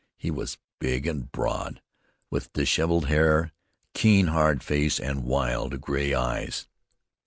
He was big and broad, with disheveled hair, keen, hard face, and wild, gray eyes.